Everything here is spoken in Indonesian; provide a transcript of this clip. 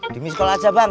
di miss call aja bang